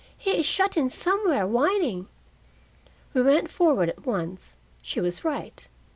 "He is shut in somewhere, whining." We went forward at once. She was right.